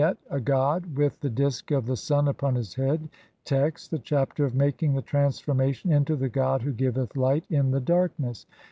] Vignette : A god with the disk of the sun upon his head. Text : (1) [The Chapter of] making the transformation INTO THE GOD WHO GIVETH LIGHT [IN] THE DARKNESS.